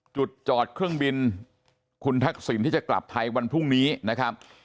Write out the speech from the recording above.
จอดเครื่องบินคุณทักษิณที่จะกลับไทยวันพรุ่งนี้นะครับ